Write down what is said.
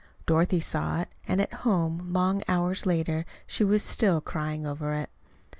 Dorothy saw it, and at home, long hours later she was still crying over it.